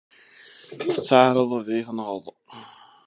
Tettɛaraḍeḍ ad yi-tenɣeḍ?